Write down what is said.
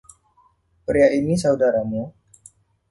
Pria ini saudaramu?